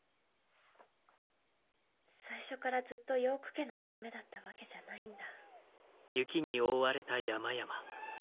最初からずっとヨーク家の娘だったわけじゃないんだ。